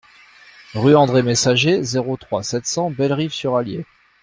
Rue Andre Messager, zéro trois, sept cents Bellerive-sur-Allier